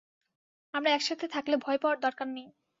আমরা একসাথে থাকলে ভয় পাওয়ার দরকার নেই।